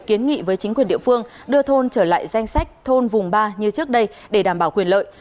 kiến nghị với chính quyền địa phương đưa thôn trở lại danh sách thôn vùng ba như trước đây để đảm bảo quyền lợi